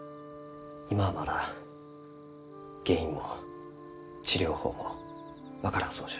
今はまだ原因も治療法も分からんそうじゃ。